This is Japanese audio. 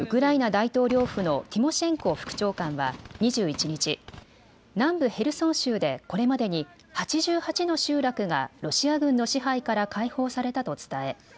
大統領府のティモシェンコ副長官は２１日、南部ヘルソン州でこれまでに８８の集落がロシア軍の支配から解放されたと伝え